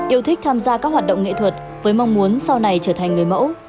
yêu thích tham gia các hoạt động nghệ thuật với mong muốn sau này trở thành người mẫu